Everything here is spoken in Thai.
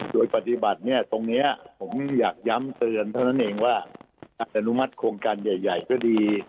โดยปฏิบัติเนี่ยตรงนี้ผมอยากย้ำเตือนเท่านั้นเองว่าอัตโนมัติโครงการใหญ่ก็ดี